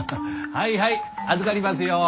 はいはい預かりますよ。